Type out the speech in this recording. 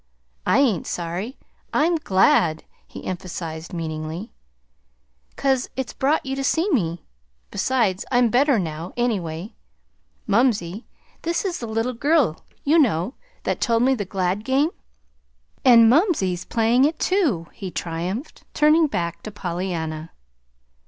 "I ain't sorry I'm GLAD," he emphasized meaningly; "'cause it's brought you to see me. Besides, I'm better now, anyway. Mumsey, this is the little girl, you know, that told me the glad game and mumsey's playing it, too," he triumphed, turning back to Pollyanna.